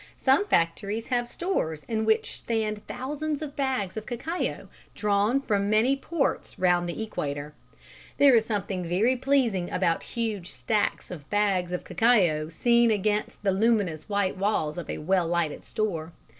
Some factories have stores in which stand thousands of bags of cacao drawn from many ports round the equator. There is something very pleasing about huge stacks of bags of cacao seen against the luminous white walls of a well lighted store.